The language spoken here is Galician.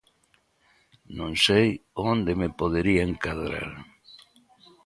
Non sei onde me podería encadrar.